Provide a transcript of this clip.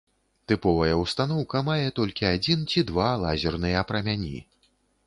Тыповая ўстаноўка мае толькі адзін ці два лазерныя прамяні.